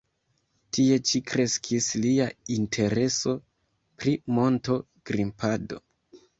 Tie ĉi kreskis lia intereso pri monto-grimpado.